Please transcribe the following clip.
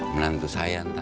menantu saya entah